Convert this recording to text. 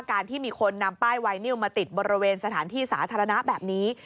ที่มีคนนำป้ายไวนิวมาติดบริเวณสถานที่สาธารณะแบบนี้